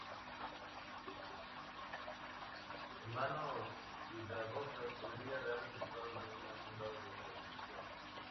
En manos cuidadosas, podría dar resultados de un alto grado de precisión.